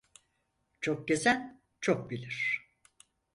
Çok gezen çok bilir.